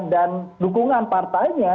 dan dukungan partainya